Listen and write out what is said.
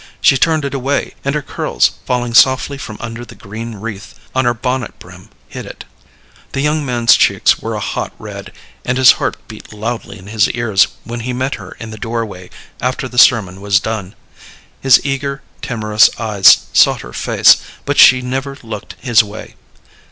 She turned it away, and her curls falling softly from under the green wreath on her bonnet brim hid it. The young man's cheeks were a hot red, and his heart beat loudly in his ears when he met her in the doorway after the sermon was done. His eager, timorous eyes sought her face, but she never looked his way.